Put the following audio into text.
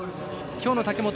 きょうの武本